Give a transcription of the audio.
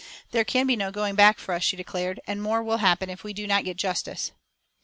"There can be no going back for us," she declared, "and more will happen if we do not get justice."